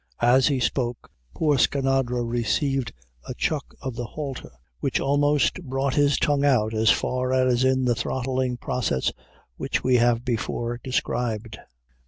As he spoke, poor Skinadre received a chuck of the halter which almost brought his tongue out as far as in the throttling process which we have before described.